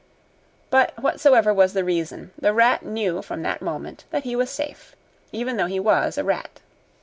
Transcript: But whatsoever was the reason, the rat knew from that moment that he was safe even though he was a rat.